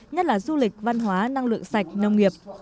nhất là du lịch văn hóa năng lượng sạch nông nghiệp